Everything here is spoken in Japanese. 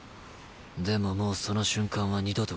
でももうその瞬間は二度と来ねえ。